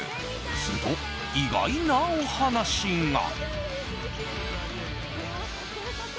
すると意外なお話が。